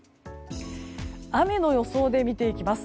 雨の予想で見ていきます。